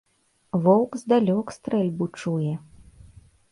Воўк здалёк стрэльбу чуе!